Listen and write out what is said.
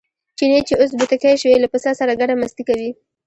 چیني چې اوس بوتکی شوی له پسه سره ګډه مستي کوي.